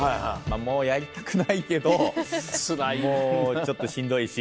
もうやりたくないけどもうちょっとしんどいし。